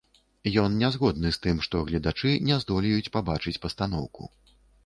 Ён не згодны з тым, што гледачы не здолеюць пабачыць пастаноўку.